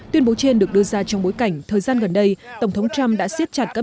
tuyên bố trên được đưa ra trong bối cảnh thời gian gần đây tổng thống trump đã siết chặt các